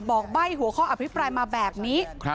ใบ้หัวข้ออภิปรายมาแบบนี้